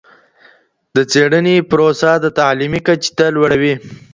د څیړنې پروسه د تعلیمي کچي ته لوړوي.